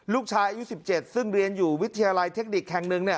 ลูกชายอายุ๑๗ซึ่งเรียนอยู่วิทยาลัยเทคนิคแห่งหนึ่ง